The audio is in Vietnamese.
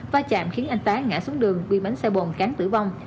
va chạm khiến anh thái ngã xuống đường quy bánh xe bồn cán tử vong